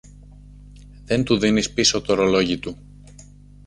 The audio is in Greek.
δεν του δίνεις πίσω τ' ωρολόγι του